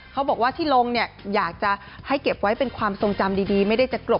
เขาบอกว่าที่ลงเนี่ยอยากจะให้เก็บไว้เป็นความทรงจำดีไม่ได้จะกรบ